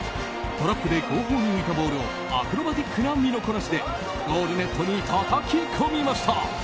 トラップで後方に浮いたボールをアクロバティックな身のこなしでゴールネットにたたき込みました。